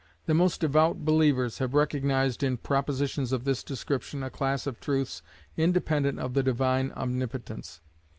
The most devout believers have recognized in propositions of this description a class of truths independent of the devine omnipotence.